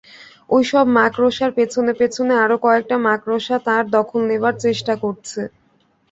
ঐ মাকড়সার পেছনে-পেছনে আরো কয়েকটা মাকড়সা তাঁর দখল নেবার চেষ্টা করছে।